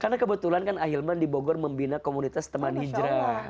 karena kebetulan kan ahilman di bogor membina komunitas teman hijrah